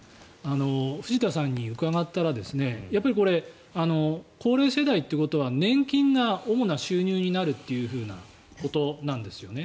藤田さんに伺ったらこれ、高齢世代ということは年金が主な収入になるというふうなことなんですよね。